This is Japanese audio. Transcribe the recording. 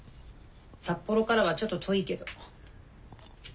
札幌からはちょっと遠いけど。